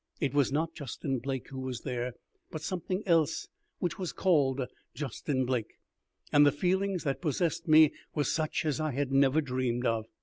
It was not Justin Blake who was there, but something else which was called Justin Blake, and the feelings that possessed me were such as I had never dreamed of.